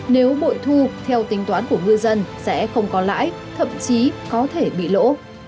nếu bội thu theo tính toán của ngư dân sẽ không có lãi thậm chí có thể bị lỗ